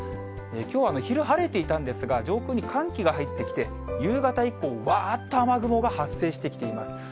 きょうは昼、晴れていたんですが、上空に寒気が入ってきて、夕方以降、わーっと雨雲が発生してきています。